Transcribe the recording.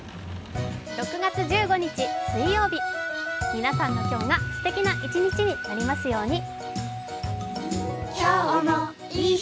６月１５日水曜日、皆さんの今日がすてきな一日になりますように。